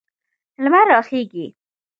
لمر راخیږي